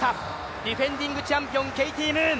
ディフェンディングチャンピオン、ケイティ・ムーン！